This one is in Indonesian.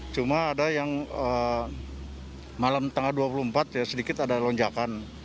cuma ada yang malam tanggal dua puluh empat ya sedikit ada lonjakan